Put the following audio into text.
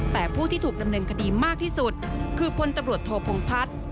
แต่ผู้ที่ถูกดำเนินคดีมากที่สุดคือพลตำรวจโทพงพัฒน์